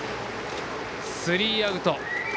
スリーアウト。